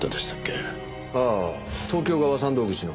ああ東京側山道口の。